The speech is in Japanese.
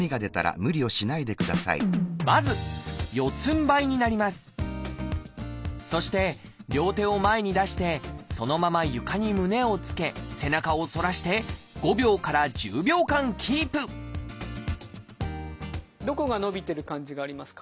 まずそして両手を前に出してそのまま床に胸をつけ背中を反らして５秒から１０秒間キープどこが伸びてる感じがありますか？